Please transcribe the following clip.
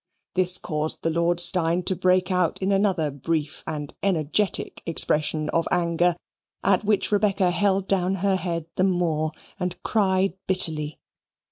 This caused the Lord Steyne to break out in another brief and energetic expression of anger, at which Rebecca held down her head the more and cried bitterly.